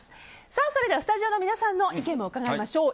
それでは、スタジオの皆さんの意見も伺いましょう。